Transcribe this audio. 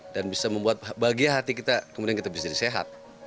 dan bisa membuat bahagia hati kita kemudian kita bisa jadi sehat